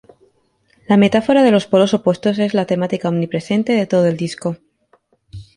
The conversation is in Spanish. La metáfora de los polos opuestos es la temática omnipresente de todo el disco.